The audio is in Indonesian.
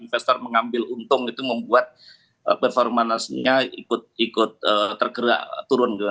investor mengambil untung itu membuat performa nasinya ikut ikut tergerak turun gitu ya